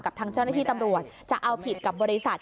ทางเจ้าหน้าที่ตำรวจจะเอาผิดกับบริษัท